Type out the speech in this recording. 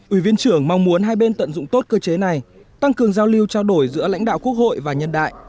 ủy viên trưởng mong muốn hai bên tận dụng tốt cơ chế này tăng cường giao lưu trao đổi giữa lãnh đạo quốc hội và nhân đại